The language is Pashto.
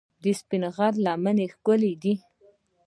د سپین غر لمنې ښکلې دي